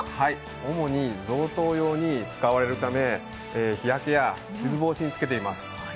主に贈答用に使われるため日焼けや傷防止につけています。